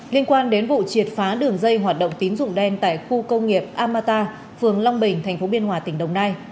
liên quan đến vụ triệt phá đường dây hoạt động tín dụng đen tại khu công nghiệp amata phường long bình tp biên hòa tỉnh đồng nai